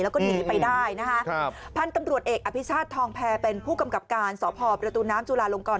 แล้วก็หนีไปได้นะคะครับพันธุ์ตำรวจเอกอภิชาติทองแพรเป็นผู้กำกับการสพประตูน้ำจุลาลงกร